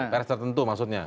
pes tertentu maksudnya